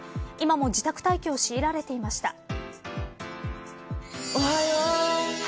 今も自宅待機を強いられていました。